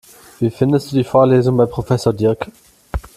Wie findest du die Vorlesungen bei Professor Diercke?